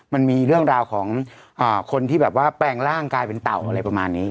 มันมีเรื่องราวของคนที่แบบว่าแปลงร่างกายเป็นเต่าอะไรประมาณนี้